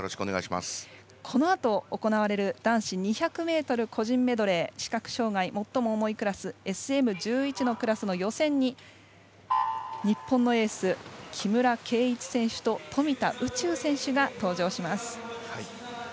このあと行われる男子２００ｍ個人メドレー視覚障がい、最も重いクラスＳＭ１１のクラスの予選に日本のエース木村敬一選手と富田宇宙選手が登場します。